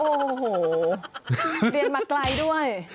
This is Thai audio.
โอ้โหเรียนมาไกลด้วย